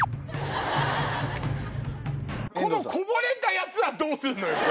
このこぼれたやつはどうすんのよ